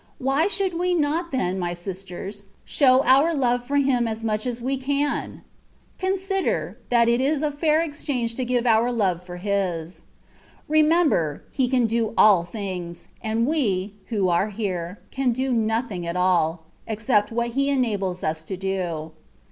Why should we not, then, my sisters, show our love for Him as mudi as we can ? Consider, that it is a fair ex change to give our love for His. Remember, He can do all things, and we, who are here, can do nothing at all, except what He enables us to do.